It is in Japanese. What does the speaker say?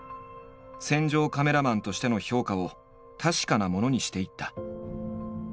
戦場カメラマンとしての評価を確かなものにしていった。